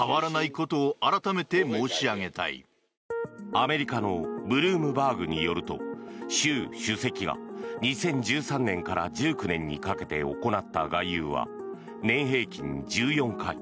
アメリカのブルームバーグによると習主席が２０１３年から１９年にかけて行った外遊は年平均１４回。